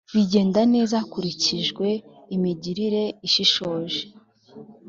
bigenda neza hakurikijwe imigirire ishishoje